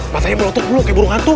matanya melotot dulu kayak burung hantu